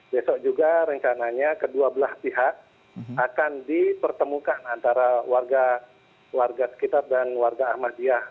besok juga rencananya kedua belah pihak akan dipertemukan antara warga sekitar dan warga ahmadiyah